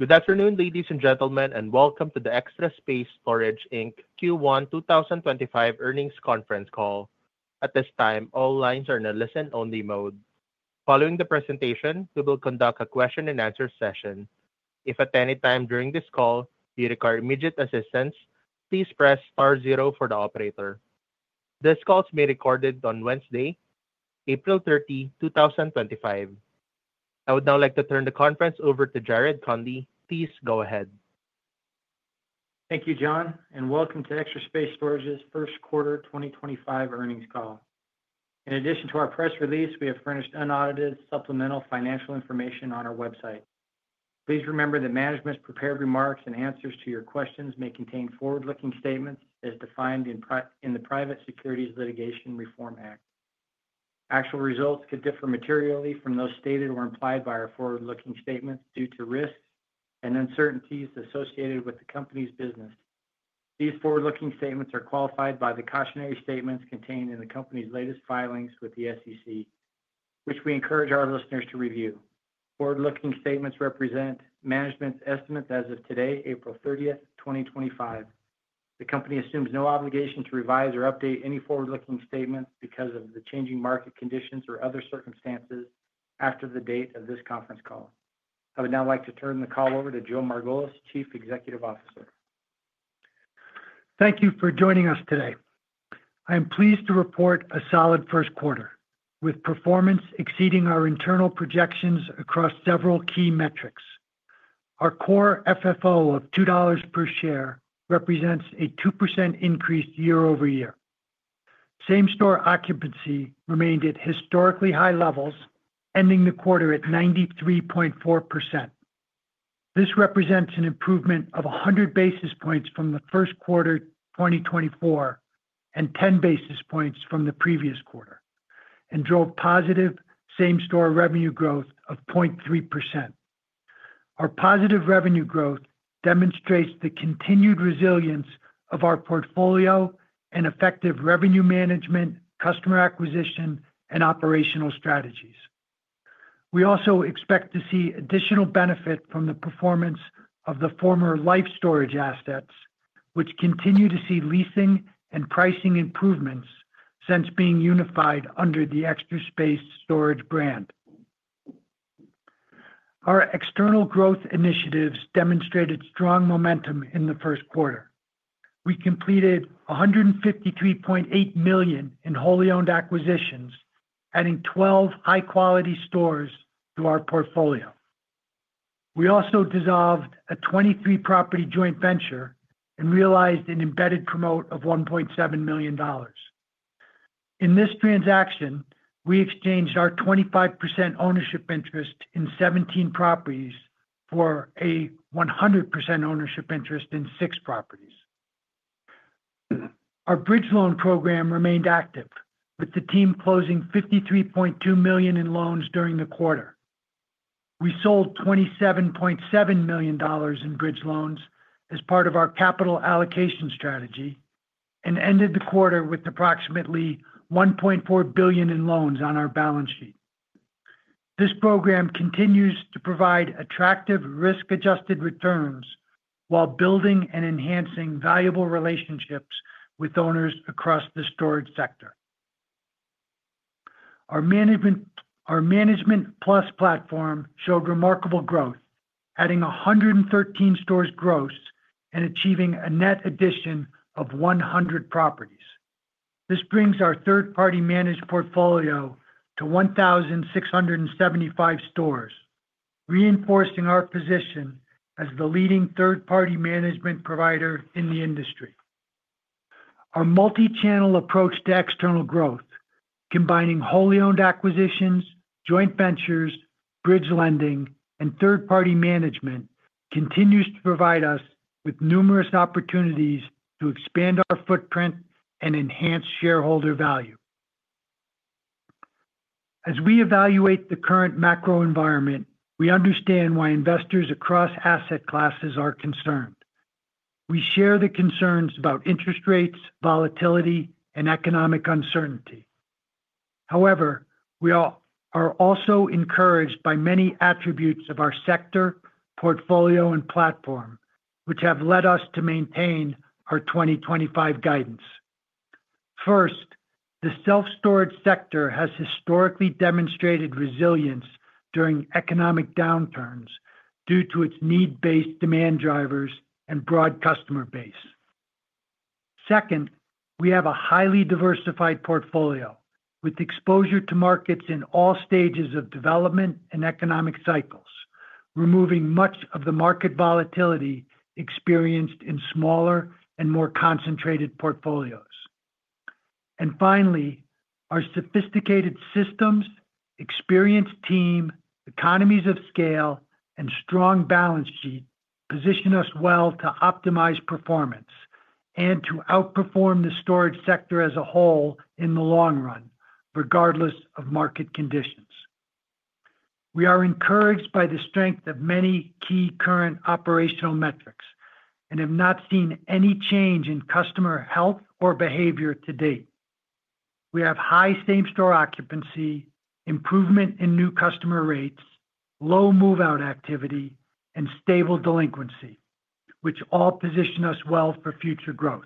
At this time, all lines are in a listen-only mode. Following the presentation, we will conduct a question-and-answer session. If at any time during this call you require immediate assistance, please press star zero for the operator. This call is being recorded on Wednesday, April 30, 2025. I would now like to turn the conference over to Jared Conley. Please go ahead. Thank you, John, and welcome to Extra Space Storage's First Quarter 2025 Earnings Call. In addition to our press release, we have furnished unaudited supplemental financial information on our website. Please remember that management's prepared remarks and answers to your questions may contain forward-looking statements as defined in the Private Securities Litigation Reform Act. Actual results could differ materially from those stated or implied by our forward-looking statements due to risks and uncertainties associated with the company's business. These forward-looking statements are qualified by the cautionary statements contained in the company's latest filings with the SEC, which we encourage our listeners to review. Forward-looking statements represent management's estimates as of today, April 30, 2025. The company assumes no obligation to revise or update any forward-looking statements because of the changing market conditions or other circumstances after the date of this conference call. I would now like to turn the call over to Joe Margolis, Chief Executive Officer. Thank you for joining us today. I am pleased to report a solid first quarter, with performance exceeding our internal projections across several key metrics. Our core FFO of $2 per share represents a 2% increase year-over-year. Same-store occupancy remained at historically high levels, ending the quarter at 93.4%. This represents an improvement of 100 basis points from the first quarter 2024 and 10 basis points from the previous quarter, and drove positive same-store revenue growth of 0.3%. Our positive revenue growth demonstrates the continued resilience of our portfolio and effective revenue management, customer acquisition, and operational strategies. We also expect to see additional benefit from the performance of the former Life Storage assets, which continue to see leasing and pricing improvements since being unified under the Extra Space Storage brand. Our external growth initiatives demonstrated strong momentum in the first quarter. We completed $153.8 million in wholly owned acquisitions, adding 12 high-quality stores to our portfolio. We also dissolved a 23-property joint venture and realized an embedded promote of $1.7 million. In this transaction, we exchanged our 25% ownership interest in 17 properties for a 100% ownership interest in 6 properties. Our bridge loan program remained active, with the team closing $53.2 million in loans during the quarter. We sold $27.7 million in bridge loans as part of our capital allocation strategy and ended the quarter with approximately $1.4 billion in loans on our balance sheet. This program continues to provide attractive risk-adjusted returns while building and enhancing valuable relationships with owners across the storage sector. Our Management Plus platform showed remarkable growth, adding 113 stores gross and achieving a net addition of 100 properties. This brings our third-party managed portfolio to 1,675 stores, reinforcing our position as the leading third-party management provider in the industry. Our multi-channel approach to external growth, combining wholly owned acquisitions, joint ventures, bridge lending, and third-party management, continues to provide us with numerous opportunities to expand our footprint and enhance shareholder value. As we evaluate the current macro environment, we understand why investors across asset classes are concerned. We share the concerns about interest rates, volatility, and economic uncertainty. However, we are also encouraged by many attributes of our sector, portfolio, and platform, which have led us to maintain our 2025 guidance. First, the self-storage sector has historically demonstrated resilience during economic downturns due to its need-based demand drivers and broad customer base. Second, we have a highly diversified portfolio with exposure to markets in all stages of development and economic cycles, removing much of the market volatility experienced in smaller and more concentrated portfolios. Finally, our sophisticated systems, experienced team, economies of scale, and strong balance sheet position us well to optimize performance and to outperform the storage sector as a whole in the long run, regardless of market conditions. We are encouraged by the strength of many key current operational metrics and have not seen any change in customer health or behavior to date. We have high same-store occupancy, improvement in new customer rates, low move-out activity, and stable delinquency, which all position us well for future growth.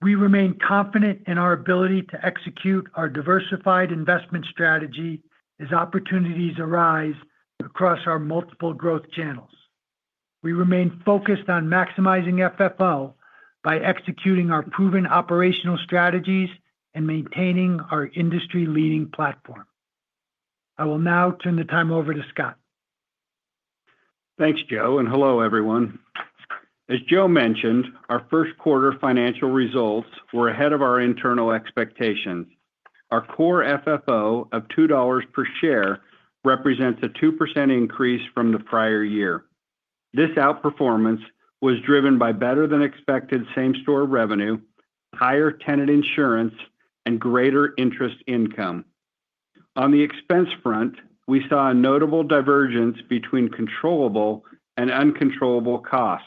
We remain confident in our ability to execute our diversified investment strategy as opportunities arise across our multiple growth channels. We remain focused on maximizing FFO by executing our proven operational strategies and maintaining our industry-leading platform. I will now turn the time over to Scott. Thanks, Joe, and hello, everyone. As Joe mentioned, our first quarter financial results were ahead of our internal expectations. Our core FFO of $2 per share represents a 2% increase from the prior year. This outperformance was driven by better-than-expected same-store revenue, higher tenant insurance, and greater interest income. On the expense front, we saw a notable divergence between controllable and uncontrollable costs.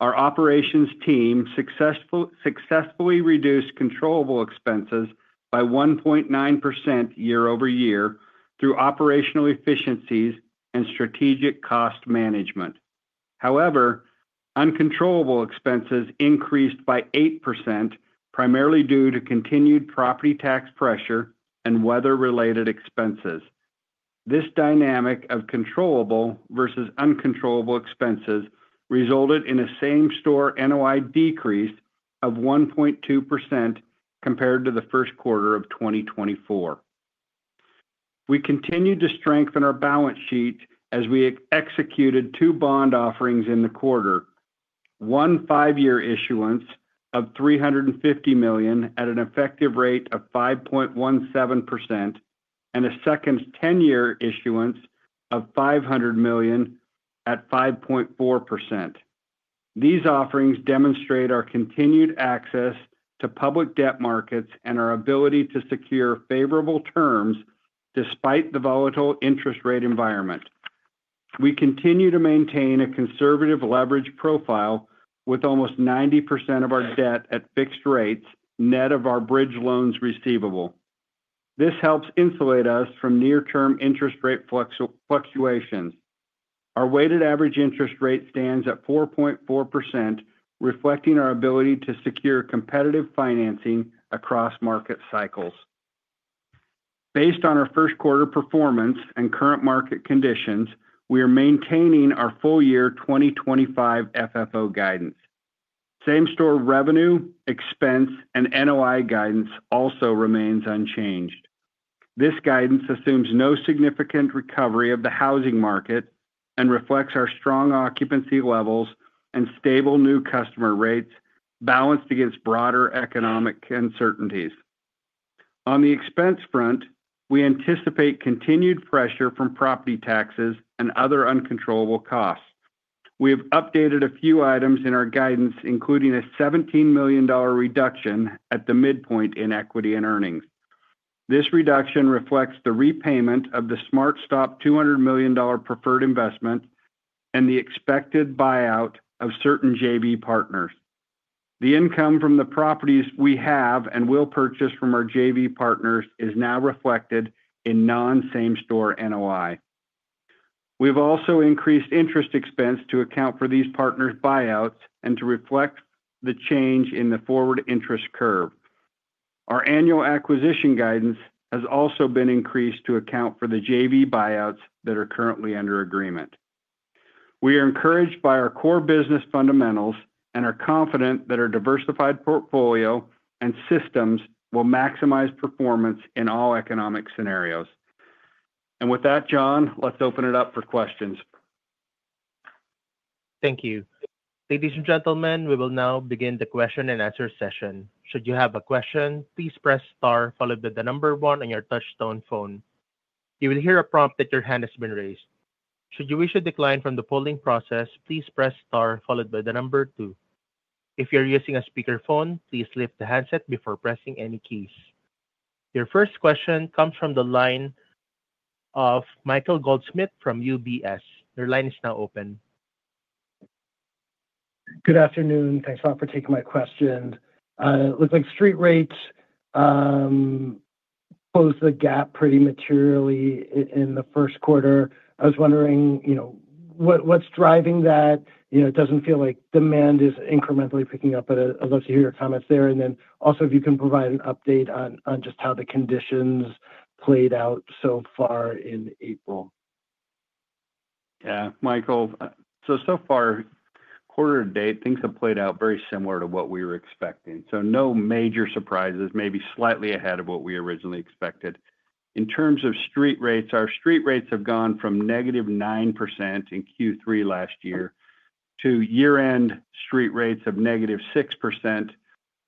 Our operations team successfully reduced controllable expenses by 1.9% year over year through operational efficiencies and strategic cost management. However, uncontrollable expenses increased by 8%, primarily due to continued property tax pressure and weather-related expenses. This dynamic of controllable versus uncontrollable expenses resulted in a same-store NOI decrease of 1.2% compared to the first quarter of 2024. We continued to strengthen our balance sheet as we executed two bond offerings in the quarter: one five-year issuance of $350 million at an effective rate of 5.17% and a second 10-year issuance of $500 million at 5.4%. These offerings demonstrate our continued access to public debt markets and our ability to secure favorable terms despite the volatile interest rate environment. We continue to maintain a conservative leverage profile with almost 90% of our debt at fixed rates net of our bridge loans receivable. This helps insulate us from near-term interest rate fluctuations. Our weighted average interest rate stands at 4.4%, reflecting our ability to secure competitive financing across market cycles. Based on our first quarter performance and current market conditions, we are maintaining our full-year 2025 FFO guidance. Same-store revenue, expense, and NOI guidance also remains unchanged. This guidance assumes no significant recovery of the housing market and reflects our strong occupancy levels and stable new customer rates balanced against broader economic uncertainties. On the expense front, we anticipate continued pressure from property taxes and other uncontrollable costs. We have updated a few items in our guidance, including a $17 million reduction at the midpoint in equity and earnings. This reduction reflects the repayment of the SmartStop $200 million preferred investment and the expected buyout of certain JV partners. The income from the properties we have and will purchase from our JV partners is now reflected in non-same-store NOI. We have also increased interest expense to account for these partners' buyouts and to reflect the change in the forward interest curve. Our annual acquisition guidance has also been increased to account for the JV buyouts that are currently under agreement. We are encouraged by our core business fundamentals and are confident that our diversified portfolio and systems will maximize performance in all economic scenarios. With that, John, let's open it up for questions. Thank you. Ladies and gentlemen, we will now begin the question-and-answer session. Should you have a question, please press star followed by the number one on your touchstone phone. You will hear a prompt that your hand has been raised. Should you wish to decline from the polling process, please press star followed by the number two. If you're using a speakerphone, please lift the handset before pressing any keys. Your first question comes from the line of Michael Goldsmith from UBS. Your line is now open. Good afternoon. Thanks a lot for taking my question. It looks like street rates closed the gap pretty materially in the first quarter. I was wondering, you know, what's driving that? You know, it doesn't feel like demand is incrementally picking up, but I'd love to hear your comments there. Also, if you can provide an update on just how the conditions played out so far in April. Yeah, Michael, so far, quarter to date, things have played out very similar to what we were expecting. No major surprises, maybe slightly ahead of what we originally expected. In terms of street rates, our street rates have gone from -9% in Q3 last year to year-end street rates of -6%.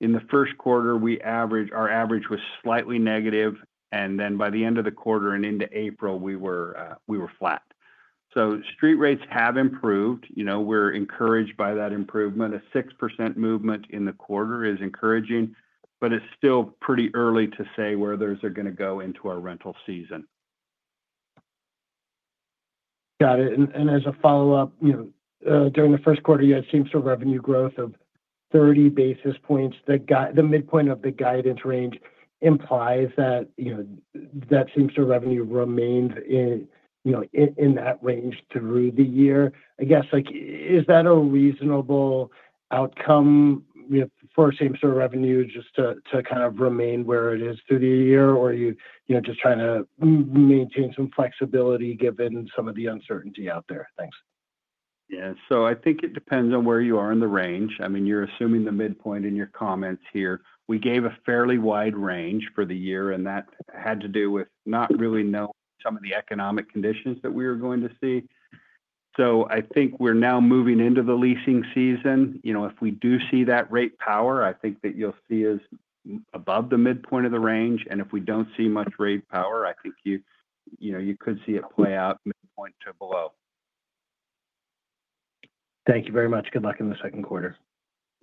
In the first quarter, our average was slightly negative, and by the end of the quarter and into April, we were flat. Street rates have improved. You know, we're encouraged by that improvement. A 6% movement in the quarter is encouraging, but it's still pretty early to say where those are going to go into our rental season. Got it. As a follow-up, you know, during the first quarter, you had same-store revenue growth of 30 basis points. The midpoint of the guidance range implies that, you know, that same-store revenue remained in, you know, in that range through the year. I guess, like, is that a reasonable outcome, you know, for same-store revenue just to kind of remain where it is through the year, or are you, you know, just trying to maintain some flexibility given some of the uncertainty out there? Thanks. Yeah, I think it depends on where you are in the range. I mean, you're assuming the midpoint in your comments here. We gave a fairly wide range for the year, and that had to do with not really knowing some of the economic conditions that we were going to see. I think we're now moving into the leasing season. You know, if we do see that rate power, I think that you'll see us above the midpoint of the range. If we don't see much rate power, I think you, you know, you could see it play out midpoint to below. Thank you very much. Good luck in the second quarter.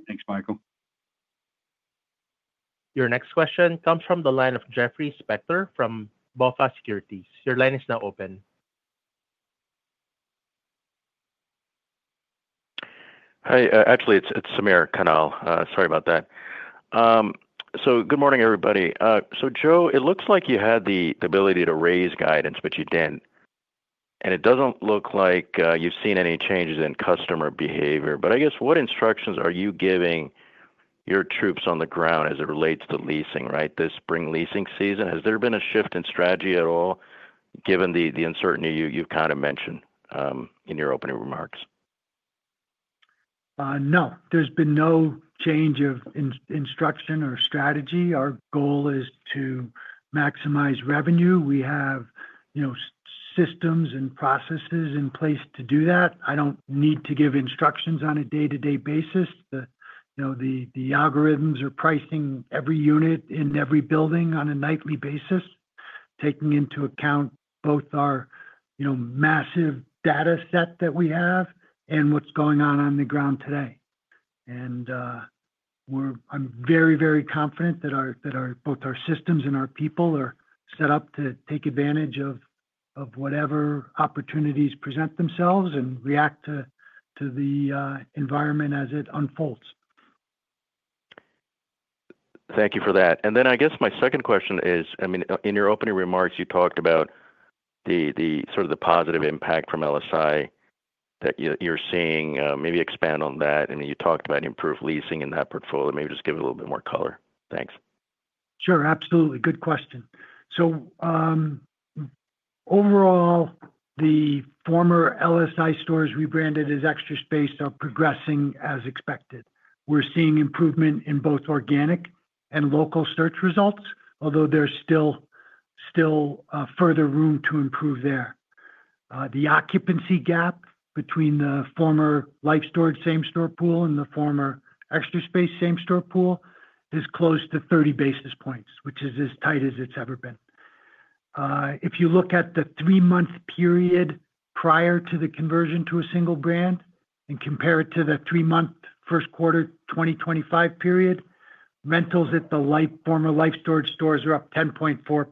Thanks, Michael. Your next question comes from the line of Jeffrey Specter from BofA Securities. Your line is now open. Hi, actually, it's Samir Khanal. Sorry about that. Good morning, everybody. Joe, it looks like you had the ability to raise guidance, but you did not. It does not look like you have seen any changes in customer behavior. I guess, what instructions are you giving your troops on the ground as it relates to leasing, right, this spring leasing season? Has there been a shift in strategy at all, given the uncertainty you have kind of mentioned in your opening remarks? No. There's been no change of instruction or strategy. Our goal is to maximize revenue. We have, you know, systems and processes in place to do that. I don't need to give instructions on a day-to-day basis. The, you know, the algorithms are pricing every unit in every building on a nightly basis, taking into account both our, you know, massive data set that we have and what's going on on the ground today. I'm very, very confident that both our systems and our people are set up to take advantage of whatever opportunities present themselves and react to the environment as it unfolds. Thank you for that. I guess my second question is, I mean, in your opening remarks, you talked about the sort of the positive impact from LSI that you're seeing. Maybe expand on that. I mean, you talked about improved leasing in that portfolio. Maybe just give it a little bit more color. Thanks. Sure. Absolutely. Good question. Overall, the former Life Storage stores rebranded as Extra Space are progressing as expected. We're seeing improvement in both organic and local search results, although there's still further room to improve there. The occupancy gap between the former Life Storage same-store pool and the former Extra Space same-store pool is close to 30 basis points, which is as tight as it's ever been. If you look at the three-month period prior to the conversion to a single brand and compare it to the three-month first quarter 2025 period, rentals at the former Life Storage stores are up 10.4%.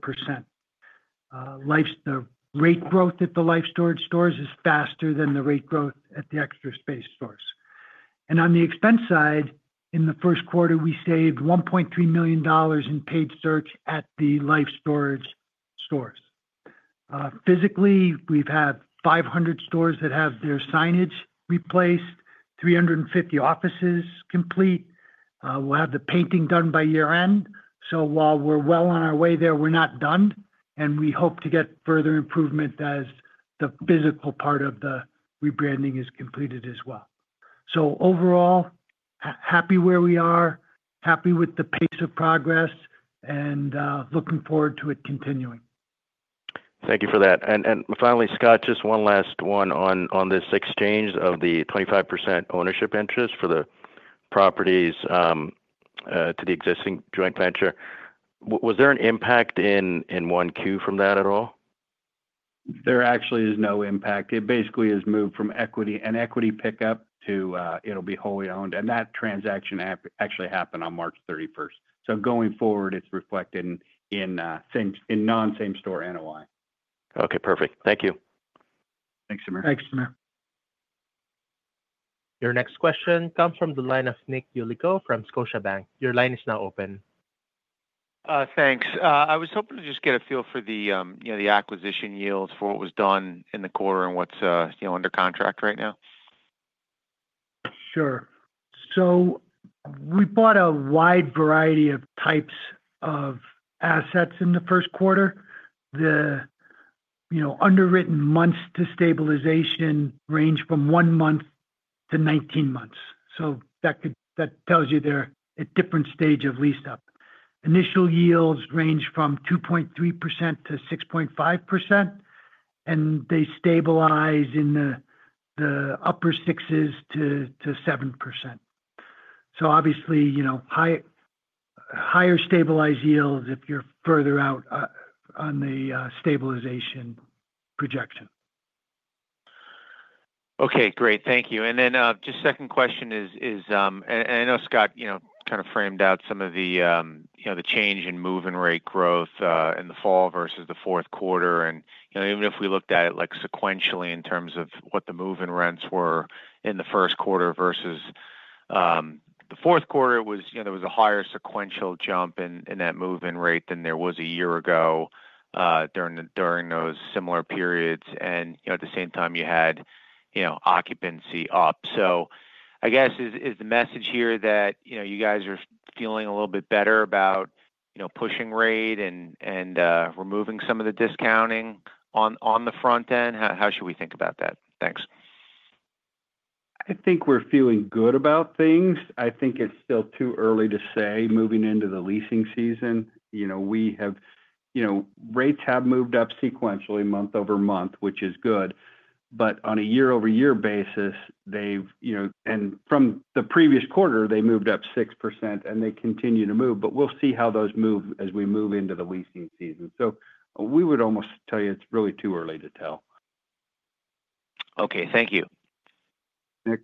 The rate growth at the Life Storage stores is faster than the rate growth at the Extra Space stores. On the expense side, in the first quarter, we saved $1.3 million in paid search at the Life Storage stores. Physically, we've had 500 stores that have their signage replaced, 350 offices complete. We'll have the painting done by year-end. While we're well on our way there, we're not done. We hope to get further improvement as the physical part of the rebranding is completed as well. Overall, happy where we are, happy with the pace of progress, and looking forward to it continuing. Thank you for that. Finally, Scott, just one last one on this exchange of the 25% ownership interest for the properties to the existing joint venture. Was there an impact in 1Q from that at all? There actually is no impact. It basically has moved from equity and equity pickup to it'll be wholly owned. That transaction actually happened on March 31, 2023. Going forward, it's reflected in non-same-store NOI. Okay. Perfect. Thank you. Thanks, Samar. Thanks, Samar. Your next question comes from the line of Nick Yulico from Scotiabank. Your line is now open. Thanks. I was hoping to just get a feel for the, you know, the acquisition yields for what was done in the quarter and what's, you know, under contract right now. Sure. We bought a wide variety of types of assets in the first quarter. The, you know, underwritten months to stabilization range from one month-19 months. That tells you they are at different stage of lease-up. Initial yields range from 2.3%-6.5%, and they stabilize in the upper sixes to 7%. Obviously, you know, higher stabilized yields if you are further out on the stabilization projection. Okay. Great. Thank you. Just second question is, and I know Scott, you know, kind of framed out some of the, you know, the change in move-in rate growth in the fall versus the fourth quarter. You know, even if we looked at it, like, sequentially in terms of what the move-in rents were in the first quarter versus the fourth quarter, it was, you know, there was a higher sequential jump in that move-in rate than there was a year ago during those similar periods. You know, at the same time, you had, you know, occupancy up. I guess is the message here that, you know, you guys are feeling a little bit better about, you know, pushing rate and removing some of the discounting on the front end? How should we think about that? Thanks. I think we're feeling good about things. I think it's still too early to say moving into the leasing season. You know, we have, you know, rates have moved up sequentially month over month, which is good. But on a year-over-year basis, they've, you know, and from the previous quarter, they moved up 6%, and they continue to move. We will see how those move as we move into the leasing season. We would almost tell you it's really too early to tell. Okay. Thank you. Nick.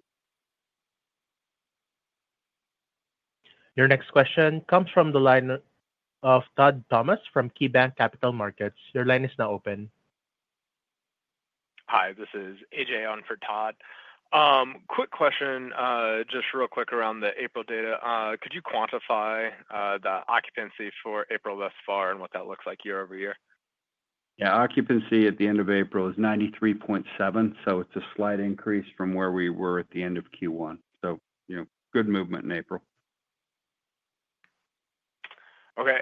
Your next question comes from the line of Todd Thomas from KeyBanc Capital Markets. Your line is now open. Hi. This is AJ on for Todd. Quick question, just real quick around the April data. Could you quantify the occupancy for April thus far and what that looks like year-over-year? Yeah. Occupancy at the end of April is 93.7%. It is a slight increase from where we were at the end of Q1. You know, good movement in April. Okay.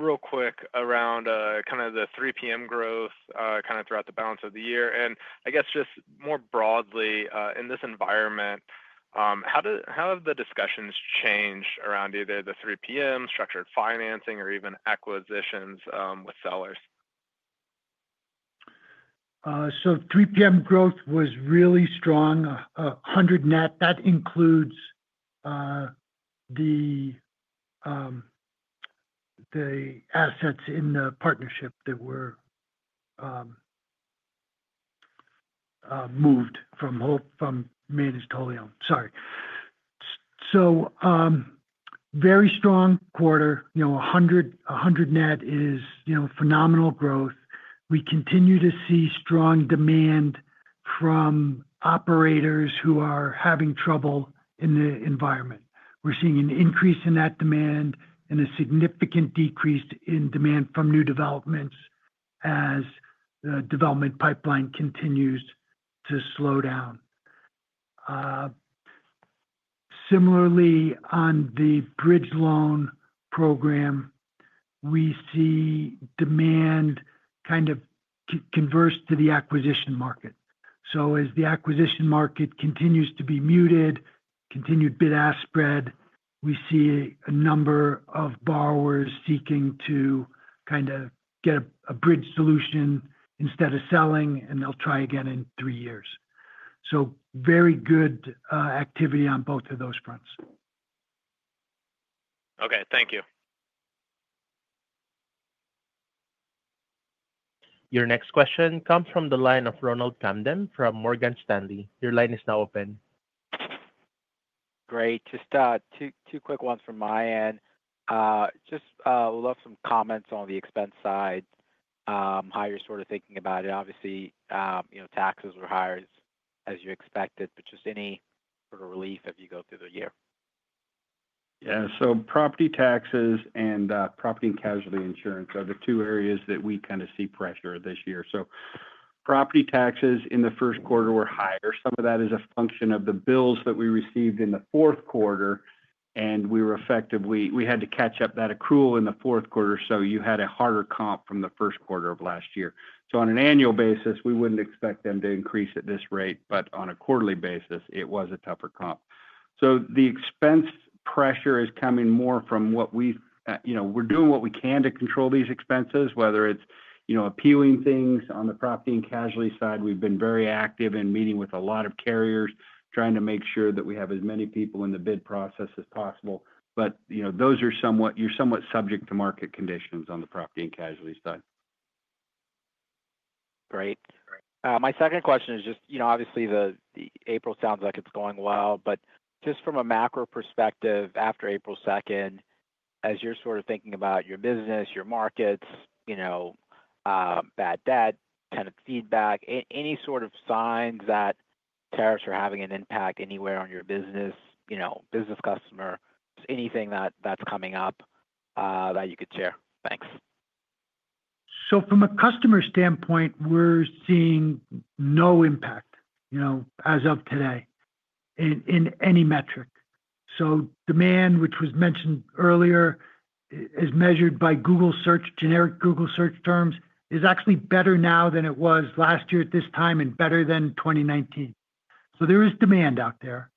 Real quick around kind of the 3:00 P.M. growth kind of throughout the balance of the year. I guess just more broadly, in this environment, how have the discussions changed around either the 3:00 P.M. structured financing or even acquisitions with sellers? Three P.M. growth was really strong. 100 net. That includes the assets in the partnership that were moved from managed wholly owned. Sorry. Very strong quarter. You know, 100 net is, you know, phenomenal growth. We continue to see strong demand from operators who are having trouble in the environment. We are seeing an increase in that demand and a significant decrease in demand from new developments as the development pipeline continues to slow down. Similarly, on the bridge loan program, we see demand kind of converse to the acquisition market. As the acquisition market continues to be muted, continued bid-ask spread, we see a number of borrowers seeking to kind of get a bridge solution instead of selling, and they will try again in three years. Very good activity on both of those fronts. Okay. Thank you. Your next question comes from the line of Ronald Kamden from Morgan Stanley. Your line is now open. Great. Just two quick ones from my end. Just would love some comments on the expense side, how you're sort of thinking about it. Obviously, you know, taxes were higher as you expected, but just any sort of relief as you go through the year. Yeah. Property taxes and property and casualty insurance are the two areas that we kind of see pressure this year. Property taxes in the first quarter were higher. Some of that is a function of the bills that we received in the fourth quarter. We were effectively—we had to catch up that accrual in the fourth quarter. You had a harder comp from the first quarter of last year. On an annual basis, we would not expect them to increase at this rate. On a quarterly basis, it was a tougher comp. The expense pressure is coming more from what we—you know, we are doing what we can to control these expenses, whether it is, you know, appealing things on the property and casualty side. We've been very active in meeting with a lot of carriers, trying to make sure that we have as many people in the bid process as possible. You know, those are somewhat, you're somewhat subject to market conditions on the property and casualty side. Great. My second question is just, you know, obviously, April sounds like it's going well. Just from a macro perspective, after April 2nd, as you're sort of thinking about your business, your markets, you know, bad debt, tenant feedback, any sort of signs that tariffs are having an impact anywhere on your business, you know, business customer, anything that's coming up that you could share? Thanks. From a customer standpoint, we're seeing no impact, you know, as of today in any metric. Demand, which was mentioned earlier, is measured by Google search, generic Google search terms, is actually better now than it was last year at this time and better than 2019. There is demand out there.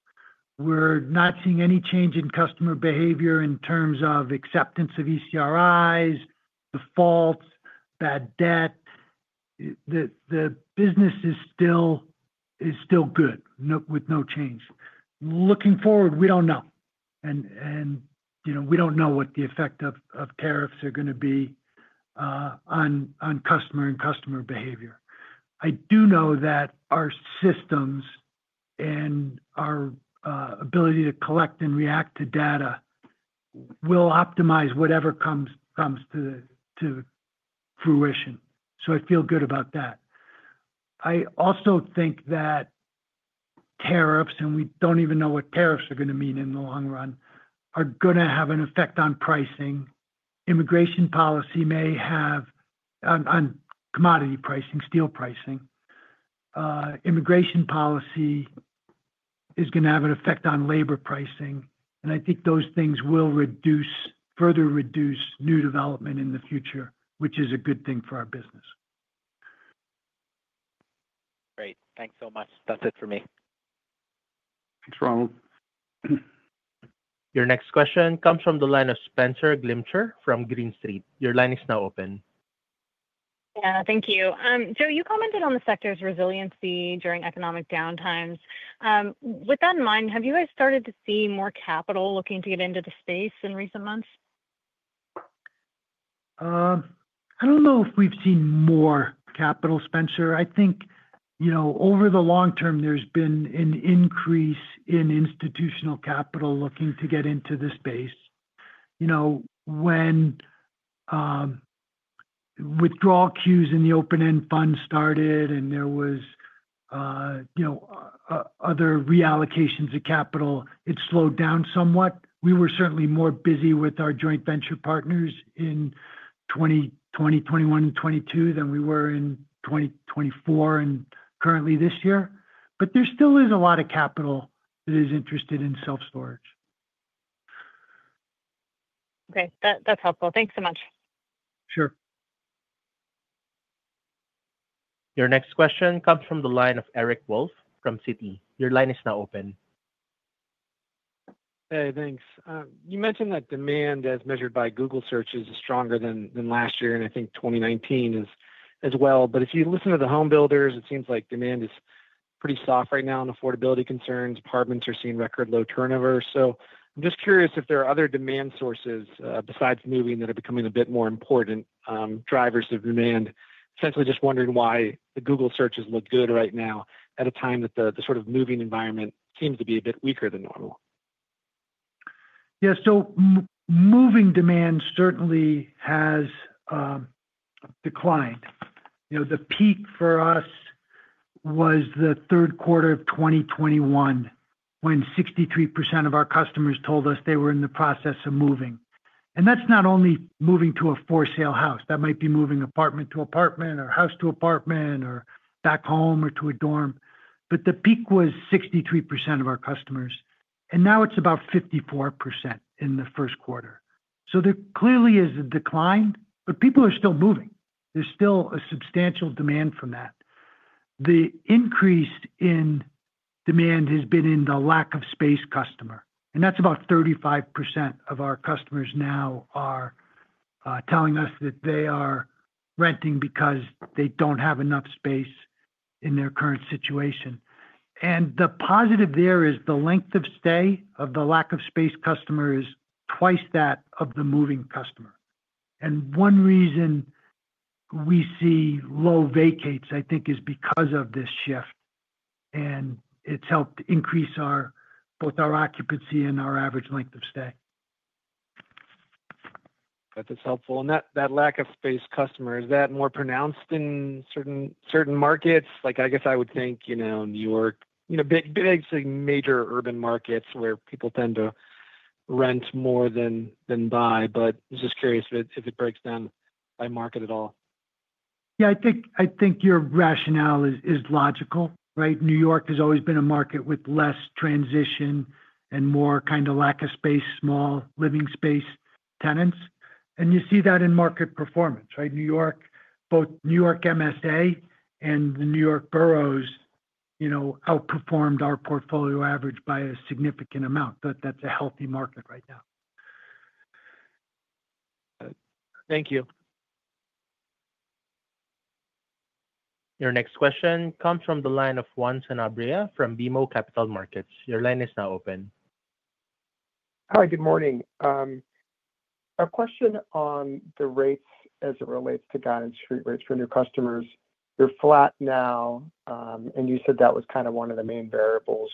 We're not seeing any change in customer behavior in terms of acceptance of ECRIs, defaults, bad debt. The business is still good with no change. Looking forward, we don't know. You know, we don't know what the effect of tariffs are going to be on customer and customer behavior. I do know that our systems and our ability to collect and react to data will optimize whatever comes to fruition. I feel good about that. I also think that tariffs, and we do not even know what tariffs are going to mean in the long run, are going to have an effect on pricing. Immigration policy may have, on commodity pricing, steel pricing, immigration policy is going to have an effect on labor pricing. I think those things will reduce, further reduce new development in the future, which is a good thing for our business. Great. Thanks so much. That's it for me. Thanks, Ronald. Your next question comes from the line of Spenser Glimcher from Green Street. Your line is now open. Yeah. Thank you. Joe, you commented on the sector's resiliency during economic downtimes. With that in mind, have you guys started to see more capital looking to get into the space in recent months? I do not know if we have seen more capital, Spencer. I think, you know, over the long term, there has been an increase in institutional capital looking to get into the space. You know, when withdrawal queues in the open-end fund started and there was, you know, other reallocations of capital, it slowed down somewhat. We were certainly more busy with our joint venture partners in 2021 and 2022 than we were in 2024 and currently this year. There still is a lot of capital that is interested in self-storage. Okay. That's helpful. Thanks so much. Sure. Your next question comes from the line of Eric Wolfe from Citi. Your line is now open. Hey, thanks. You mentioned that demand, as measured by Google searches, is stronger than last year and I think 2019 as well. If you listen to the homebuilders, it seems like demand is pretty soft right now on affordability concerns. Apartments are seeing record low turnover. I am just curious if there are other demand sources besides moving that are becoming a bit more important drivers of demand. Essentially, just wondering why the Google searches look good right now at a time that the sort of moving environment seems to be a bit weaker than normal. Yeah. Moving demand certainly has declined. You know, the peak for us was the third quarter of 2021 when 63% of our customers told us they were in the process of moving. That is not only moving to a for-sale house. That might be moving apartment to apartment or house to apartment or back home or to a dorm. The peak was 63% of our customers. Now it is about 54% in the first quarter. There clearly is a decline, but people are still moving. There is still a substantial demand from that. The increase in demand has been in the lack of space customer. About 35% of our customers now are telling us that they are renting because they do not have enough space in their current situation. The positive there is the length of stay of the lack of space customer is twice that of the moving customer. One reason we see low vacates, I think, is because of this shift. It has helped increase both our occupancy and our average length of stay. That is helpful. That lack of space customer, is that more pronounced in certain markets? Like, I guess I would think, you know, New York, you know, basically major urban markets where people tend to rent more than buy. I am just curious if it breaks down by market at all. Yeah. I think your rationale is logical, right? New York has always been a market with less transition and more kind of lack of space, small living space tenants. You see that in market performance, right? New York, both New York MSA and the New York boroughs, you know, outperformed our portfolio average by a significant amount. That is a healthy market right now. Thank you. Your next question comes from the line of Juan Sanabria from BMO Capital Markets. Your line is now open. Hi. Good morning. A question on the rates as it relates to guidance street rates for new customers. They're flat now. You said that was kind of one of the main variables,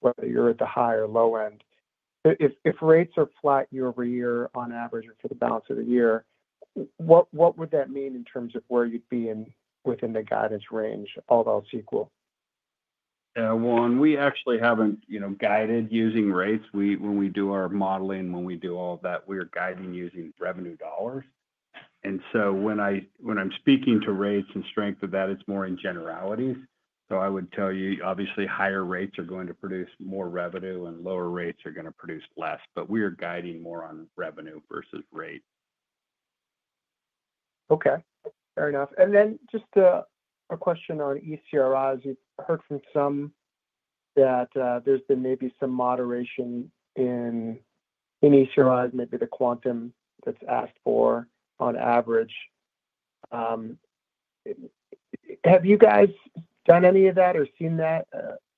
whether you're at the high or low end. If rates are flat year over year on average or for the balance of the year, what would that mean in terms of where you'd be within the guidance range, although it's equal? Yeah. Juan, we actually have not, you know, guided using rates. When we do our modeling, when we do all of that, we are guiding using revenue dollars. And so when I am speaking to rates and strength of that, it is more in generalities. I would tell you, obviously, higher rates are going to produce more revenue and lower rates are going to produce less. We are guiding more on revenue versus rate. Okay. Fair enough. Just a question on ECRIs. You've heard from some that there's been maybe some moderation in ECRIs, maybe the quantum that's asked for on average. Have you guys done any of that or seen that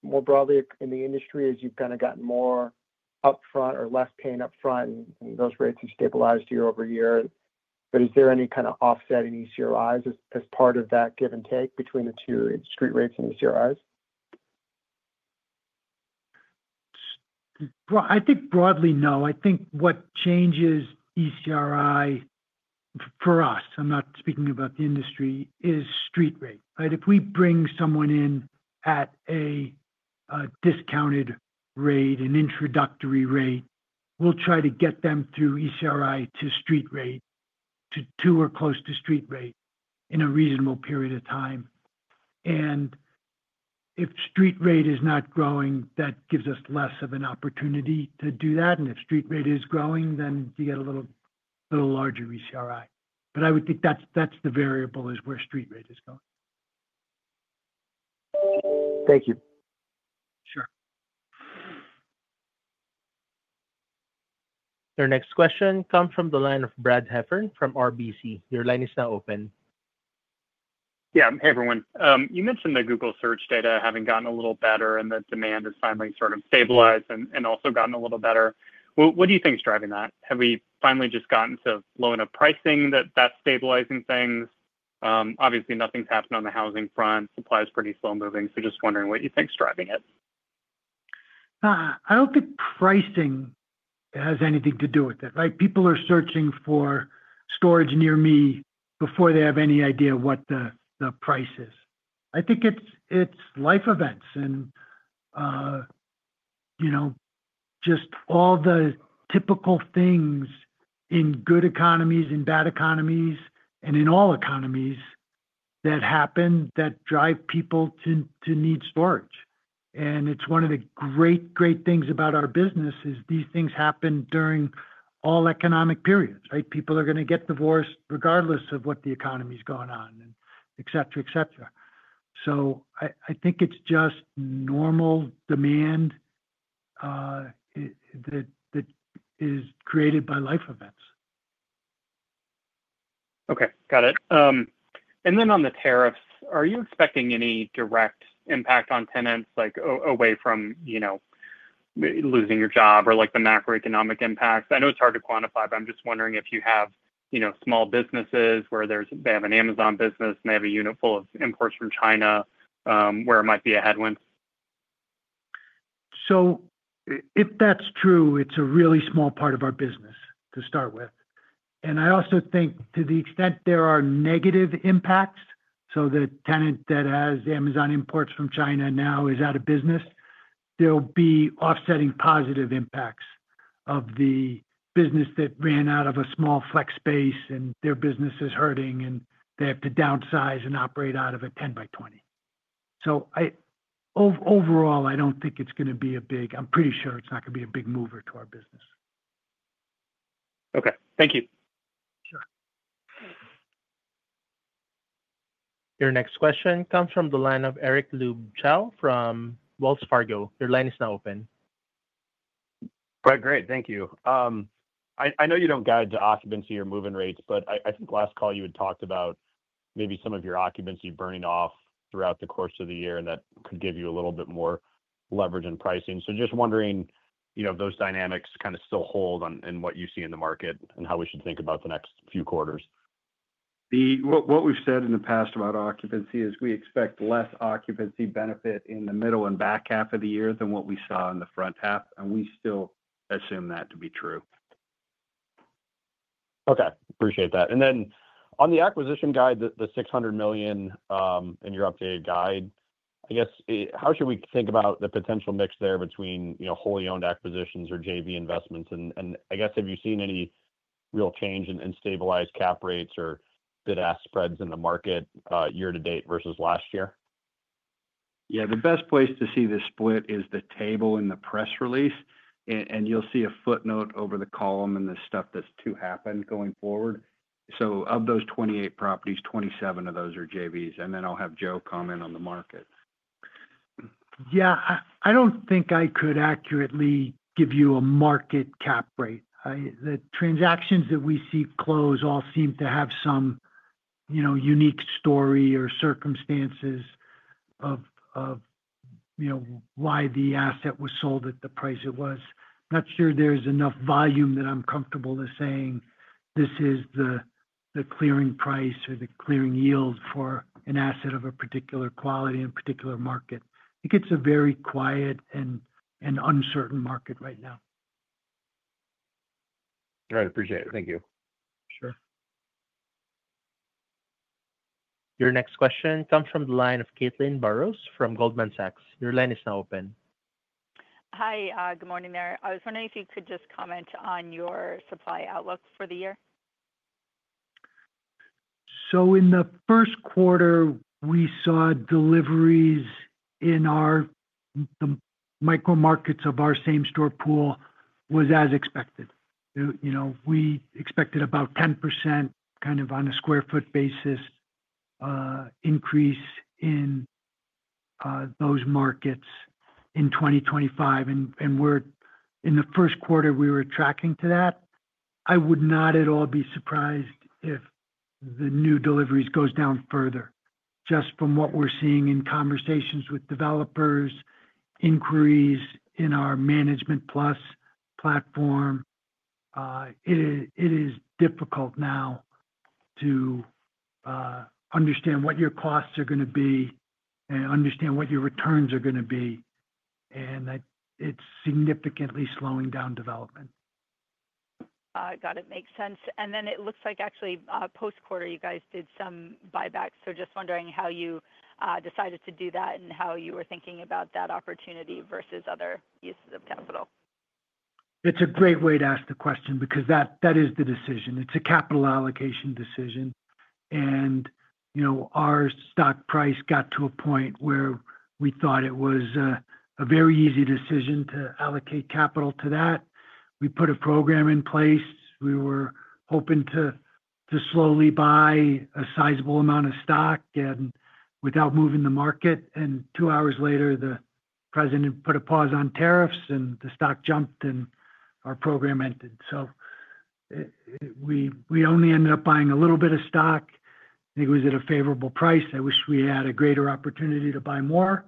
more broadly in the industry as you've kind of gotten more upfront or less pain upfront and those rates have stabilized year over year? Is there any kind of offsetting ECRIs as part of that give and take between the two street rates and ECRIs? I think broadly, no. I think what changes ECRI for us, I'm not speaking about the industry, is street rate. If we bring someone in at a discounted rate, an introductory rate, we'll try to get them through ECRI to street rate, to or close to street rate in a reasonable period of time. If street rate is not growing, that gives us less of an opportunity to do that. If street rate is growing, then you get a little larger ECRI. I would think that's the variable is where street rate is going. Thank you. Sure. Your next question comes from the line of Brad Heffern from RBC. Your line is now open. Yeah. Hey, everyone. You mentioned the Google search data having gotten a little better and that demand has finally sort of stabilized and also gotten a little better. What do you think is driving that? Have we finally just gotten to low enough pricing that that's stabilizing things? Obviously, nothing's happened on the housing front. Supply is pretty slow moving. Just wondering what you think is driving it. I don't think pricing has anything to do with it, right? People are searching for storage near me before they have any idea what the price is. I think it's life events and, you know, just all the typical things in good economies, in bad economies, and in all economies that happen that drive people to need storage. It's one of the great, great things about our business is these things happen during all economic periods, right? People are going to get divorced regardless of what the economy is going on, etc., etc. I think it's just normal demand that is created by life events. Okay. Got it. On the tariffs, are you expecting any direct impact on tenants, like away from, you know, losing your job or like the macroeconomic impacts? I know it's hard to quantify, but I'm just wondering if you have, you know, small businesses where they have an Amazon business and they have a unit full of imports from China where it might be a headwind. If that's true, it's a really small part of our business to start with. I also think to the extent there are negative impacts, so the tenant that has Amazon imports from China now is out of business, there will be offsetting positive impacts of the business that ran out of a small flex space and their business is hurting and they have to downsize and operate out of a 10 by 20. Overall, I do not think it's going to be a big—I am pretty sure it's not going to be a big mover to our business. Okay. Thank you. Sure. Your next question comes from the line of Eric Luebchow from Wells Fargo. Your line is now open. Great. Thank you. I know you do not guide to occupancy or moving rates, but I think last call you had talked about maybe some of your occupancy burning off throughout the course of the year and that could give you a little bit more leverage in pricing. Just wondering, you know, if those dynamics kind of still hold on in what you see in the market and how we should think about the next few quarters. What we've said in the past about occupancy is we expect less occupancy benefit in the middle and back half of the year than what we saw in the front half. We still assume that to be true. Okay. Appreciate that. Then on the acquisition guide, the $600 million in your updated guide, I guess how should we think about the potential mix there between, you know, wholly owned acquisitions or JV investments? I guess have you seen any real change in stabilized cap rates or bid-ask spreads in the market year to date versus last year? Yeah. The best place to see the split is the table in the press release. You'll see a footnote over the column and the stuff that's to happen going forward. Of those 28 properties, 27 of those are JVs. I'll have Joe comment on the market. Yeah. I don't think I could accurately give you a market cap rate. The transactions that we see close all seem to have some, you know, unique story or circumstances of, you know, why the asset was sold at the price it was. I'm not sure there's enough volume that I'm comfortable with saying this is the clearing price or the clearing yield for an asset of a particular quality in a particular market. I think it's a very quiet and uncertain market right now. All right. Appreciate it. Thank you. Sure. Your next question comes from the line of Caitlin Burrows from Goldman Sachs. Your line is now open. Hi. Good morning there. I was wondering if you could just comment on your supply outlook for the year. In the first quarter, we saw deliveries in our micro markets of our same store pool was as expected. You know, we expected about 10% kind of on a sq ft basis increase in those markets in 2025. In the first quarter, we were tracking to that. I would not at all be surprised if the new deliveries go down further. Just from what we're seeing in conversations with developers, inquiries in our Management Plus platform, it is difficult now to understand what your costs are going to be and understand what your returns are going to be. It is significantly slowing down development. Got it. Makes sense. It looks like actually post-quarter, you guys did some buyback. Just wondering how you decided to do that and how you were thinking about that opportunity versus other uses of capital. It's a great way to ask the question because that is the decision. It's a capital allocation decision. You know, our stock price got to a point where we thought it was a very easy decision to allocate capital to that. We put a program in place. We were hoping to slowly buy a sizable amount of stock without moving the market. Two hours later, the president put a pause on tariffs and the stock jumped and our program ended. We only ended up buying a little bit of stock. I think it was at a favorable price. I wish we had a greater opportunity to buy more.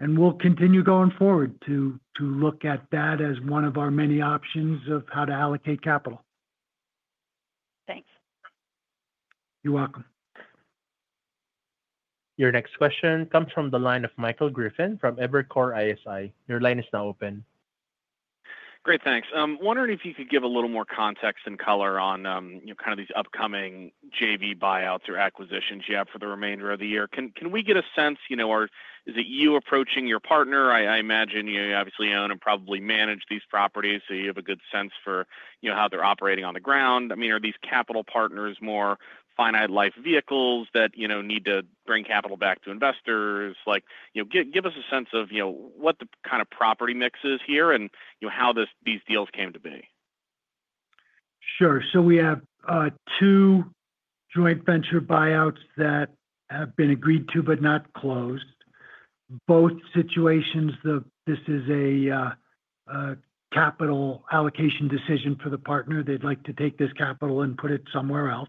We will continue going forward to look at that as one of our many options of how to allocate capital. Thanks. You're welcome. Your next question comes from the line of Michael Griffin from Evercore ISI. Your line is now open. Great. Thanks. I'm wondering if you could give a little more context and color on, you know, kind of these upcoming JV buyouts or acquisitions you have for the remainder of the year. Can we get a sense, you know, or is it you approaching your partner? I imagine you obviously own and probably manage these properties. So you have a good sense for, you know, how they're operating on the ground. I mean, are these capital partners more finite life vehicles that, you know, need to bring capital back to investors? Like, you know, give us a sense of, you know, what the kind of property mix is here and, you know, how these deals came to be. Sure. We have two joint venture buyouts that have been agreed to but not closed. Both situations, this is a capital allocation decision for the partner. They'd like to take this capital and put it somewhere else.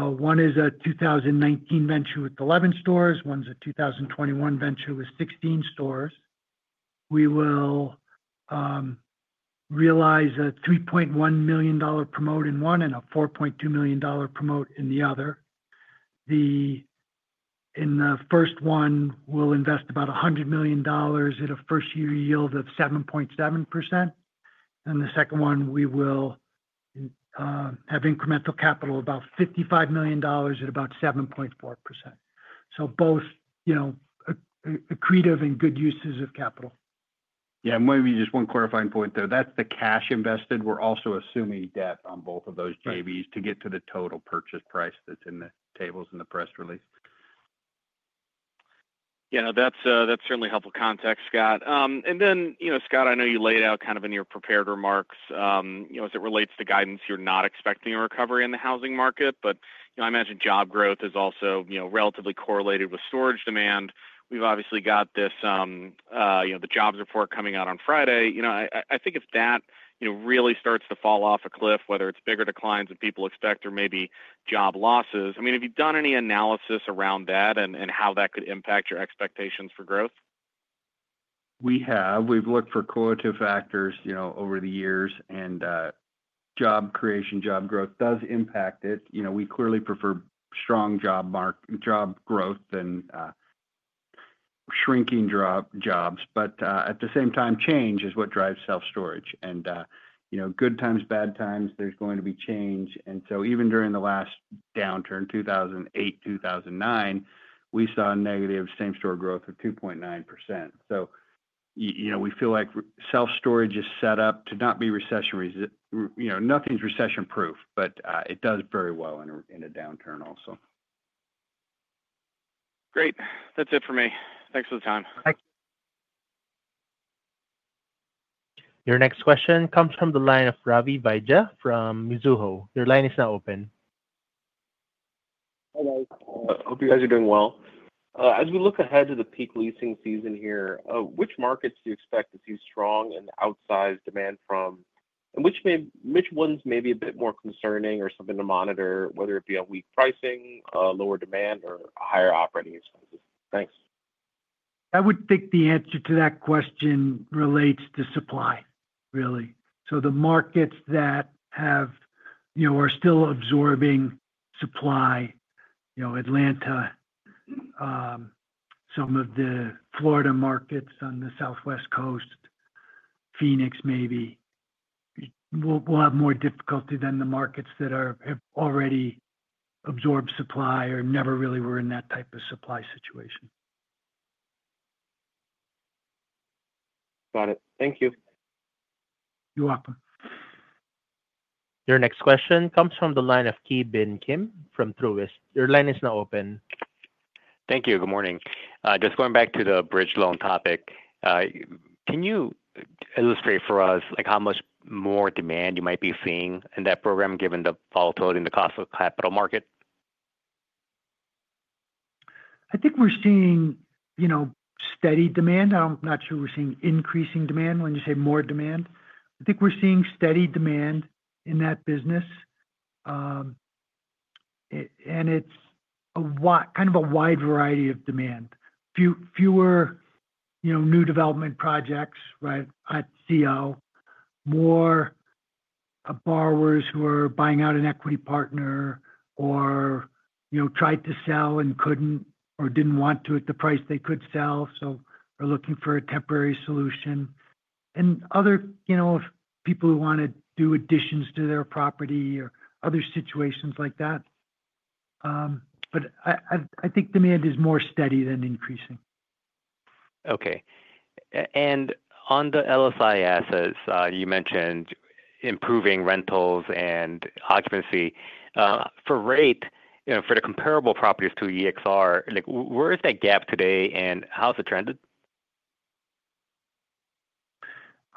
One is a 2019 venture with 11 stores. One's a 2021 venture with 16 stores. We will realize a $3.1 million promote in one and a $4.2 million promote in the other. In the first one, we'll invest about $100 million at a first-year yield of 7.7%. In the second one, we will have incremental capital of about $55 million at about 7.4%. Both, you know, accretive and good uses of capital. Yeah. Maybe just one clarifying point there. That's the cash invested. We're also assuming debt on both of those JVs to get to the total purchase price that's in the tables in the press release. Yeah. No, that's certainly helpful context, Scott. You know, Scott, I know you laid out kind of in your prepared remarks, you know, as it relates to guidance, you're not expecting a recovery in the housing market. You know, I imagine job growth is also, you know, relatively correlated with storage demand. We've obviously got this, you know, the jobs report coming out on Friday. You know, I think if that, you know, really starts to fall off a cliff, whether it's bigger declines than people expect or maybe job losses, I mean, have you done any analysis around that and how that could impact your expectations for growth? We have. We've looked for co-efficient factors, you know, over the years. And job creation, job growth does impact it. You know, we clearly prefer strong job growth and shrinking jobs. At the same time, change is what drives self-storage. You know, good times, bad times, there's going to be change. Even during the last downturn, 2008, 2009, we saw negative same-store growth of 2.9%. You know, we feel like self-storage is set up to not be recession-resistant. You know, nothing's recession-proof, but it does very well in a downturn also. Great. That's it for me. Thanks for the time. Thanks. Your next question comes from the line of Ravi Vaidya from Mizuho. Your line is now open. Hi, guys. Hope you guys are doing well. As we look ahead to the peak leasing season here, which markets do you expect to see strong and outsized demand from? Which ones may be a bit more concerning or something to monitor, whether it be a weak pricing, lower demand, or higher operating expenses? Thanks. I would think the answer to that question relates to supply, really. The markets that have, you know, are still absorbing supply, you know, Atlanta, some of the Florida markets on the Southwest Coast, Phoenix maybe, will have more difficulty than the markets that have already absorbed supply or never really were in that type of supply situation. Got it. Thank you. You're welcome. Your next question comes from the line of Ki Bin Kim from Truist. Your line is now open. Thank you. Good morning. Just going back to the bridge loan topic, can you illustrate for us like how much more demand you might be seeing in that program given the volatility and the cost of the capital market? I think we're seeing, you know, steady demand. I'm not sure we're seeing increasing demand. When you say more demand, I think we're seeing steady demand in that business. And it's kind of a wide variety of demand. Fewer, you know, new development projects, right, at CO, more borrowers who are buying out an equity partner or, you know, tried to sell and couldn't or didn't want to at the price they could sell. So they're looking for a temporary solution. And other, you know, people who want to do additions to their property or other situations like that. I think demand is more steady than increasing. Okay. On the LSI assets, you mentioned improving rentals and occupancy. For rate, you know, for the comparable properties to EXR, like where is that gap today and how's the trend?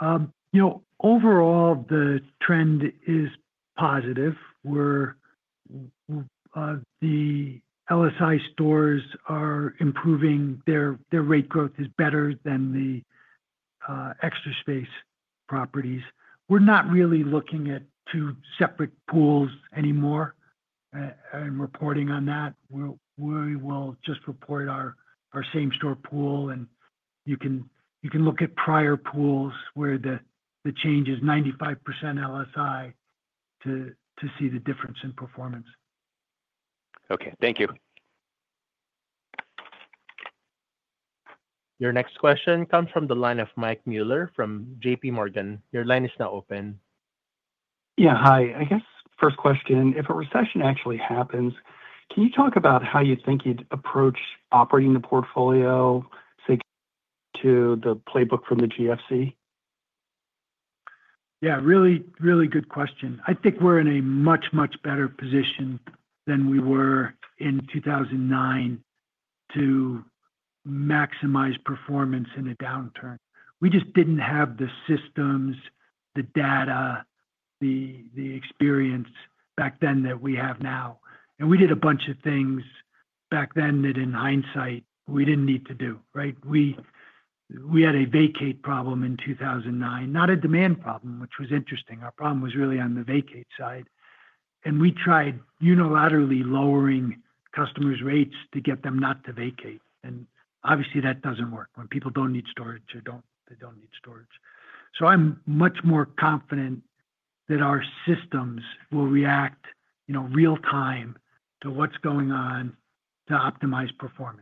You know, overall, the trend is positive. The LSI stores are improving. Their rate growth is better than the Extra Space properties. We're not really looking at two separate pools anymore and reporting on that. We will just report our same store pool. And you can look at prior pools where the change is 95% LSI to see the difference in performance. Okay. Thank you. Your next question comes from the line of Mike Mueller from JP Morgan. Your line is now open. Yeah. Hi. I guess first question, if a recession actually happens, can you talk about how you think you'd approach operating the portfolio, say, to the playbook from the GFC? Yeah. Really, really good question. I think we're in a much, much better position than we were in 2009 to maximize performance in a downturn. We just didn't have the systems, the data, the experience back then that we have now. We did a bunch of things back then that in hindsight we didn't need to do, right? We had a vacate problem in 2009, not a demand problem, which was interesting. Our problem was really on the vacate side. We tried unilaterally lowering customers' rates to get them not to vacate. Obviously, that doesn't work when people don't need storage or they don't need storage. I'm much more confident that our systems will react, you know, real-time to what's going on to optimize performance.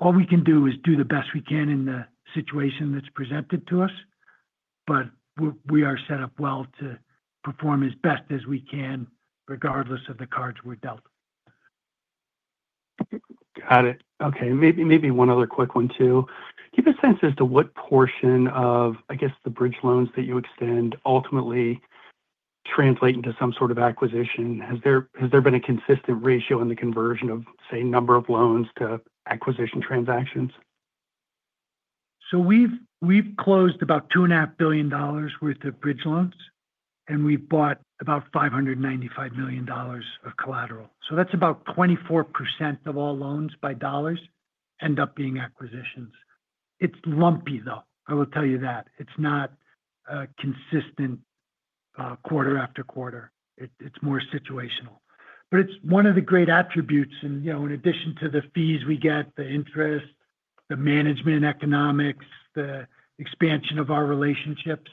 All we can do is do the best we can in the situation that's presented to us. We are set up well to perform as best as we can regardless of the cards we're dealt. Got it. Okay. Maybe one other quick one too. Do you have a sense as to what portion of, I guess, the bridge loans that you extend ultimately translate into some sort of acquisition? Has there been a consistent ratio in the conversion of, say, number of loans to acquisition transactions? We have closed about $2.5 billion worth of bridge loans. We have bought about $595 million of collateral. That is about 24% of all loans by dollars end up being acquisitions. It is lumpy, though. I will tell you that. It is not consistent quarter after quarter. It is more situational. It is one of the great attributes. You know, in addition to the fees we get, the interest, the management economics, the expansion of our relationships,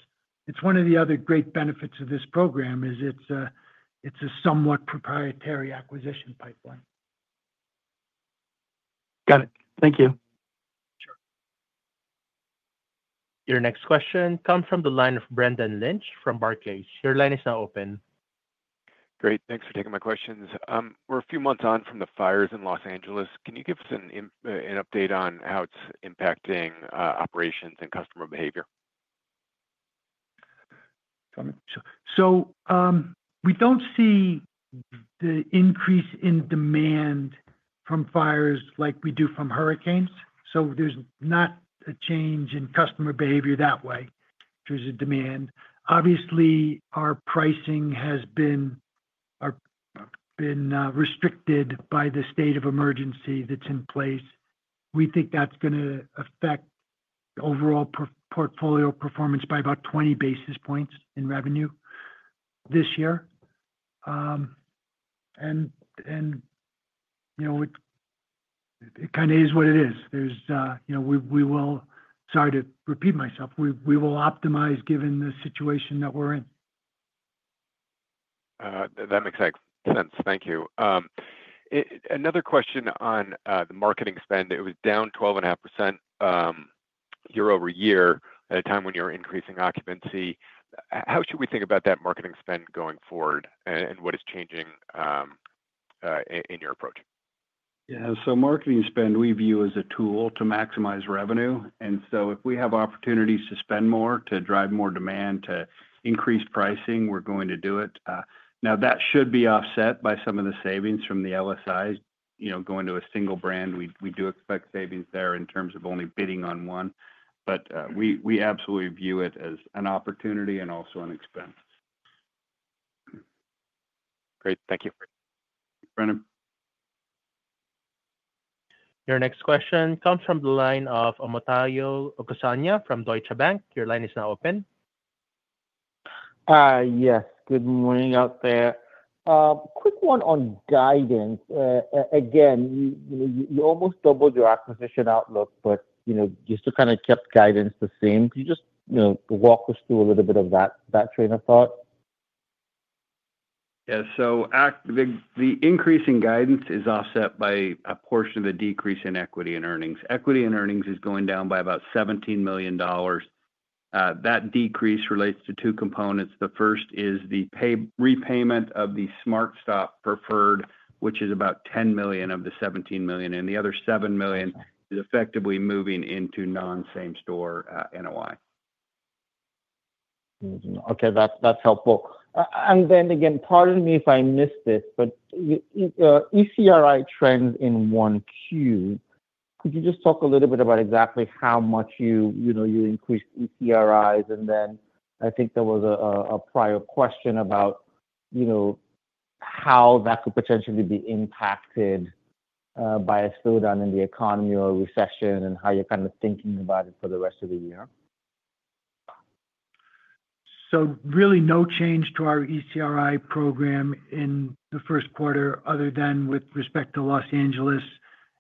it is one of the other great benefits of this program. It is a somewhat proprietary acquisition pipeline. Got it. Thank you. Sure. Your next question comes from the line of Brendan Lynch from Barclays. Your line is now open. Great. Thanks for taking my questions. We're a few months on from the fires in Los Angeles. Can you give us an update on how it's impacting operations and customer behavior? We do not see the increase in demand from fires like we do from hurricanes. There is not a change in customer behavior that way in terms of demand. Obviously, our pricing has been restricted by the state of emergency that is in place. We think that is going to affect overall portfolio performance by about 20 basis points in revenue this year. You know, it kind of is what it is. There is, you know, we will—sorry to repeat myself—we will optimize given the situation that we are in. That makes sense. Thank you. Another question on the marketing spend. It was down 12.5% year over year at a time when you were increasing occupancy. How should we think about that marketing spend going forward and what is changing in your approach? Yeah. Marketing spend we view as a tool to maximize revenue. If we have opportunities to spend more to drive more demand to increase pricing, we're going to do it. That should be offset by some of the savings from the LSIs, you know, going to a single brand. We do expect savings there in terms of only bidding on one. We absolutely view it as an opportunity and also an expense. Great. Thank you. Brendan. Your next question comes from the line of Omotayo Okusanya from Deutsche Bank. Your line is now open. Yes. Good morning out there. Quick one on guidance. Again, you almost doubled your acquisition outlook, but, you know, you still kind of kept guidance the same. Could you just, you know, walk us through a little bit of that train of thought? Yeah. The increase in guidance is offset by a portion of the decrease in equity and earnings. Equity and earnings is going down by about $17 million. That decrease relates to two components. The first is the repayment of the SmartStop preferred, which is about $10 million of the $17 million. The other $7 million is effectively moving into non-same store NOI. Okay. That's helpful. Pardon me if I missed this, but ECRI trends in 1Q. Could you just talk a little bit about exactly how much you, you know, you increased ECRIs? I think there was a prior question about, you know, how that could potentially be impacted by a slowdown in the economy or a recession and how you're kind of thinking about it for the rest of the year? is really no change to our ECRI program in the first quarter other than with respect to Los Angeles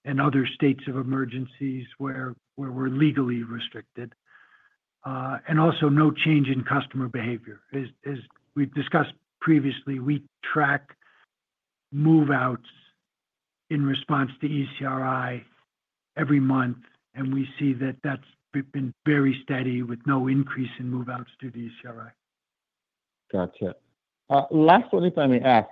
and other states of emergencies where we're legally restricted. There is also no change in customer behavior. As we've discussed previously, we track move-outs in response to ECRI every month. We see that has been very steady with no increase in move-outs to the ECRI. Gotcha. Last one, if I may ask,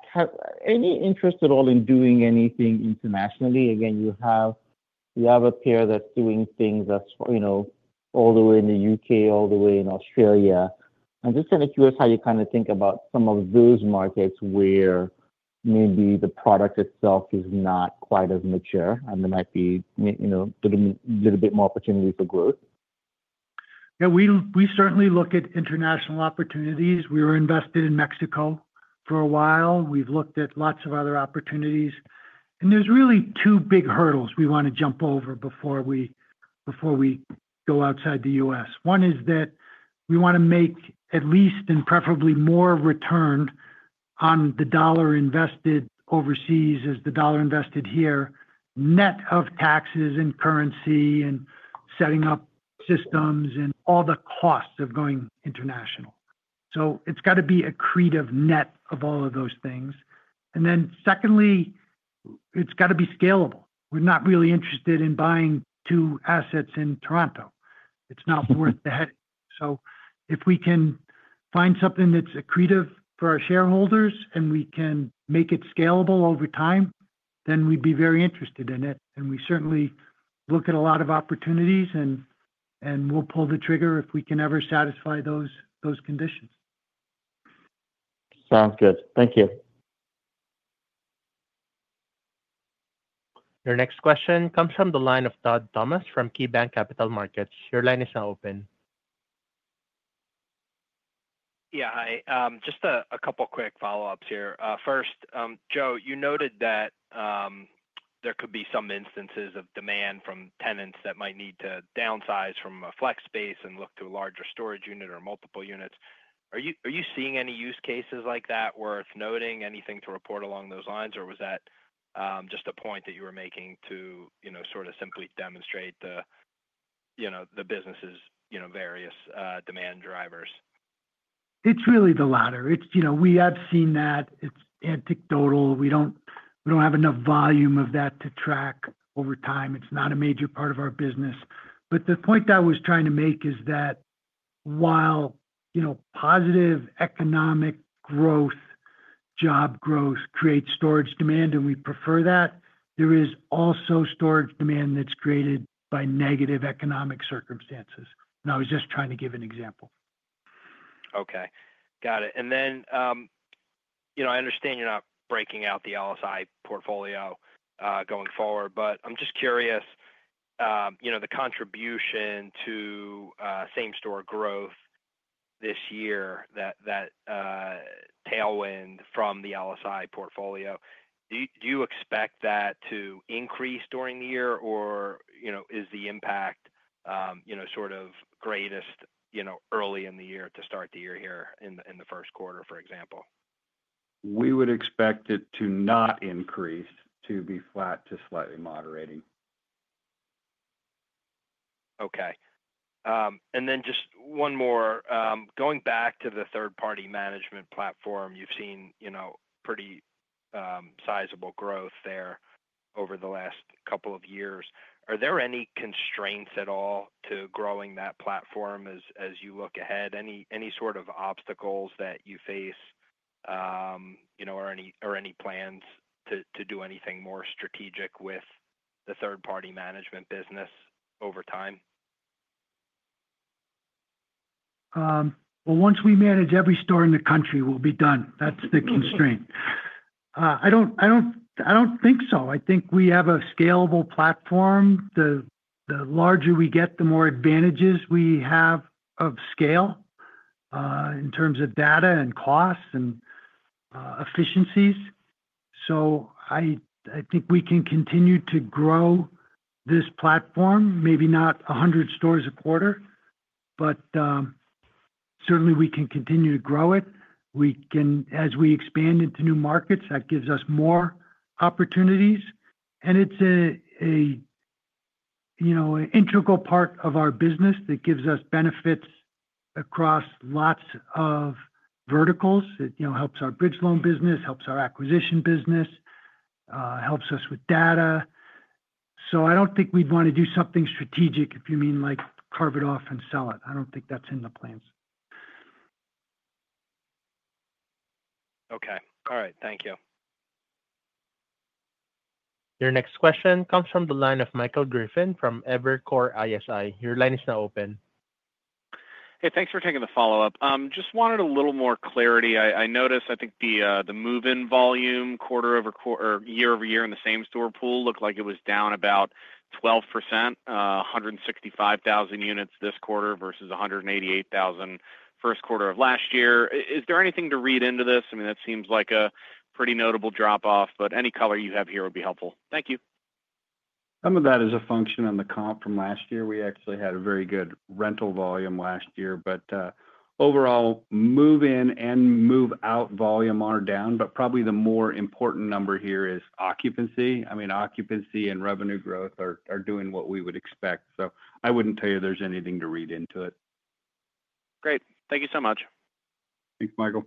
any interest at all in doing anything internationally? Again, you have a peer that's doing things that's, you know, all the way in the U.K., all the way in Australia. I'm just kind of curious how you kind of think about some of those markets where maybe the product itself is not quite as mature and there might be, you know, a little bit more opportunity for growth. Yeah. We certainly look at international opportunities. We were invested in Mexico for a while. We've looked at lots of other opportunities. There are really two big hurdles we want to jump over before we go outside the U.S. One is that we want to make at least and preferably more return on the dollar invested overseas as the dollar invested here, net of taxes and currency and setting up systems and all the costs of going international. It has got to be accretive net of all of those things. Secondly, it has got to be scalable. We're not really interested in buying two assets in Toronto. It's not worth the headache. If we can find something that's accretive for our shareholders and we can make it scalable over time, we'd be very interested in it. We certainly look at a lot of opportunities and we'll pull the trigger if we can ever satisfy those conditions. Sounds good. Thank you. Your next question comes from the line of Todd Thomas from KeyBanc Capital Markets. Your line is now open. Yeah. Hi. Just a couple of quick follow-ups here. First, Joe, you noted that there could be some instances of demand from tenants that might need to downsize from a flex space and look to a larger storage unit or multiple units. Are you seeing any use cases like that worth noting, anything to report along those lines, or was that just a point that you were making to, you know, sort of simply demonstrate the, you know, the business's, you know, various demand drivers? It's really the latter. It's, you know, we have seen that. It's anecdotal. We don't have enough volume of that to track over time. It's not a major part of our business. The point that I was trying to make is that while, you know, positive economic growth, job growth creates storage demand and we prefer that, there is also storage demand that's created by negative economic circumstances. I was just trying to give an example. Okay. Got it. You know, I understand you're not breaking out the LSI portfolio going forward, but I'm just curious, you know, the contribution to same store growth this year, that tailwind from the LSI portfolio, do you expect that to increase during the year or, you know, is the impact, you know, sort of greatest, you know, early in the year to start the year here in the first quarter, for example? We would expect it to not increase, to be flat to slightly moderating. Okay. And then just one more. Going back to the third-party management platform, you've seen, you know, pretty sizable growth there over the last couple of years. Are there any constraints at all to growing that platform as you look ahead? Any sort of obstacles that you face, you know, or any plans to do anything more strategic with the third-party management business over time? Once we manage every store in the country, we'll be done. That's the constraint. I don't think so. I think we have a scalable platform. The larger we get, the more advantages we have of scale in terms of data and costs and efficiencies. I think we can continue to grow this platform, maybe not 100 stores a quarter, but certainly we can continue to grow it. We can, as we expand into new markets, that gives us more opportunities. It's a, you know, an integral part of our business that gives us benefits across lots of verticals. It, you know, helps our bridge loan business, helps our acquisition business, helps us with data. I don't think we'd want to do something strategic if you mean like carve it off and sell it. I don't think that's in the plans. Okay. All right. Thank you. Your next question comes from the line of Michael Griffin from Evercore ISI. Your line is now open. Hey, thanks for taking the follow-up. Just wanted a little more clarity. I noticed, I think, the move-in volume quarter over quarter or year over year in the same-store pool looked like it was down about 12%, 165,000 units this quarter versus 188,000 first quarter of last year. Is there anything to read into this? I mean, that seems like a pretty notable drop-off, but any color you have here would be helpful. Thank you. Some of that is a function on the comp from last year. We actually had a very good rental volume last year. Overall, move-in and move-out volume are down, but probably the more important number here is occupancy. I mean, occupancy and revenue growth are doing what we would expect. I would not tell you there is anything to read into it. Great. Thank you so much. Thanks, Michael.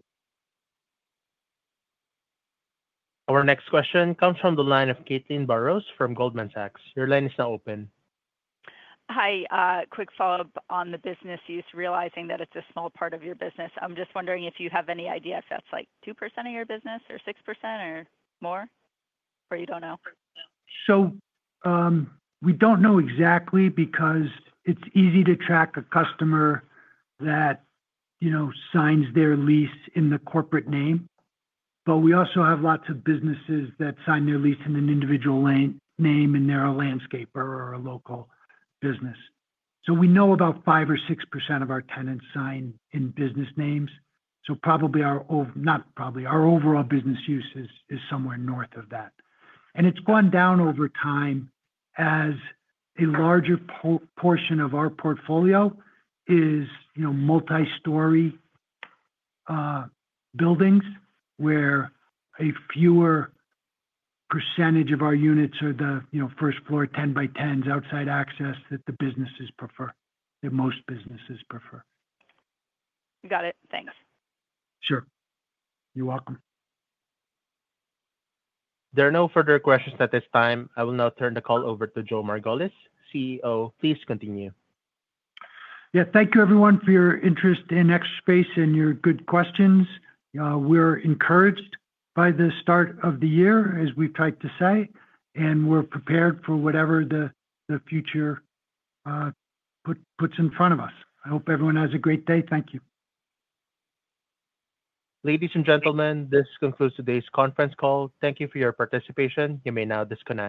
Our next question comes from the line of Caitlin Burrows from Goldman Sachs. Your line is now open. Hi. Quick follow-up on the business use, realizing that it's a small part of your business. I'm just wondering if you have any idea if that's like 2% of your business or 6% or more, or you don't know? We do not know exactly because it is easy to track a customer that, you know, signs their lease in the corporate name. We also have lots of businesses that sign their lease in an individual name and they are a landscaper or a local business. We know about 5% or 6% of our tenants sign in business names. Probably our—not probably—our overall business use is somewhere north of that. It has gone down over time as a larger portion of our portfolio is, you know, multi-story buildings where a fewer percentage of our units are the, you know, first floor 10 by 10s outside access that the businesses prefer, that most businesses prefer. Got it. Thanks. Sure. You're welcome. There are no further questions at this time. I will now turn the call over to Joe Margolis, CEO. Please continue. Yeah. Thank you, everyone, for your interest in Extra Space Storage and your good questions. We're encouraged by the start of the year, as we've tried to say, and we're prepared for whatever the future puts in front of us. I hope everyone has a great day. Thank you. Ladies and gentlemen, this concludes today's conference call. Thank you for your participation. You may now disconnect.